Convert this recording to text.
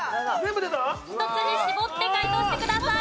１つに絞って解答してください。